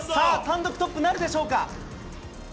単独トップなるでしょうか。